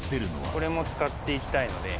これも使っていきたいので。